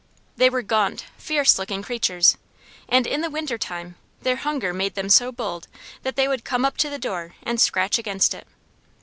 They were gaunt, fierce looking creatures, and in the winter time their hunger made them so bold that they would come up to the door and scratch against it.